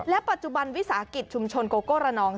ปัจจุบันวิสาหกิจชุมชนโกโก้ระนอง